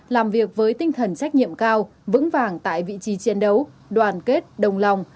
làm việc với tinh thần trách nhiệm cao vững vàng tại vị trí chiến đấu đoàn kết đồng lòng